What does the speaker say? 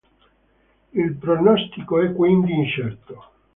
Il pronostico è quindi incerto.